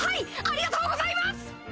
ありがとうございます！